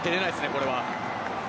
これは。